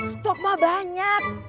stok mah banyak